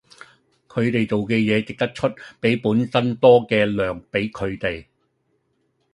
佢地做既野值得岀比本身多既糧比佢地